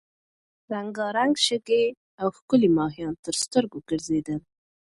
رنګارنګ شګې او ښکلي ماهیان تر سترګو ګرځېدل.